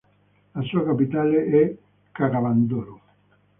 La sua capitale è Kaga-Bandoro.